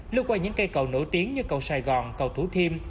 lưu qua những cây cầu nổi tiếng như cầu sài gòn cầu thủ thiêm